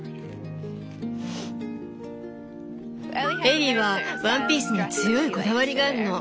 エリーはワンピースに強いこだわりがあるの。